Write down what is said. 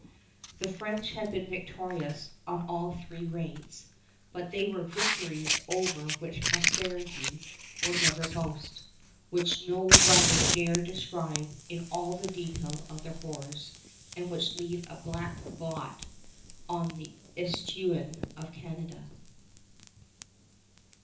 The French had been victorious on all three raids; but they were victories over which posterity will never boast, which no writer dare describe in all the detail of their horrors, and which leave a black blot on the escutcheon of Canada.